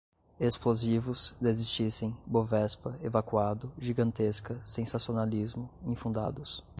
explosivos, desistissem, bovespa, evacuado, gigantesca, sensacionalismo, infundados